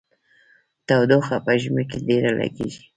تودوخه په ژمي کې ډیره لګیږي.